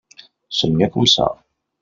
C’est mieux comme ça